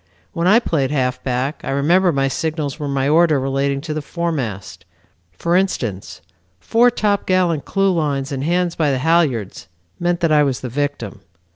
When I played halfback I remember my signals were my order relating to the foremast. For instance, 'Fore top gallant clew lines and hands by the halyards' meant that I was the victim.